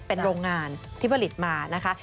เป็นโรงงานที่ผลิตมานะคะ